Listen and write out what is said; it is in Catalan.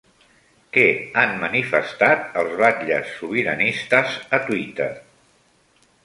Què han manifestat els batlles sobiranistes a Twitter?